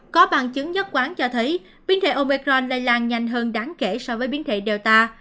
có bằng chứng nhất quán cho thấy biến thể obergron lây lan nhanh hơn đáng kể so với biến thể delta